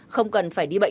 không cần phải đi bệnh